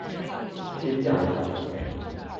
先醬子